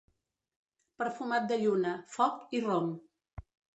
Perfumat de lluna, foc i rom.